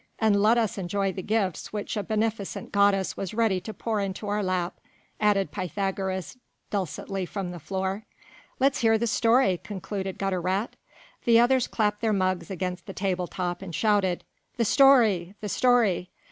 "And let us enjoy the gifts which a beneficent goddess was ready to pour into our lap," added Pythagoras dulcetly from the floor. "Let's hear the story," concluded Gutter rat. The others clapped their mugs against the table top and shouted: "The story! the story!"